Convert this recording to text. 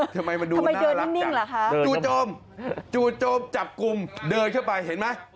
ทำไมมันดูน่ารักจังจู่โจมจับกลุ่มเดินเข้าไปเห็นไหม